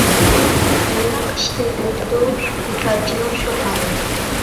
مۇنداق ئىشتىن ئۆتىدۇ، بىكارچىنىڭ شۇ ھالى.